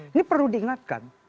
ini perlu diingatkan